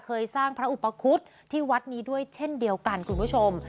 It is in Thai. สร้างพระอุปคุฎที่วัดนี้ด้วยเช่นเดียวกันคุณผู้ชม